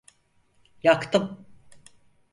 Yaktım.